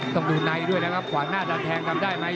ต้องดูในด้วยนะครับขวางหน้าดันแทงทำได้ไหม